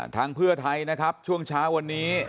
เพื่อไทยนะครับช่วงเช้าวันนี้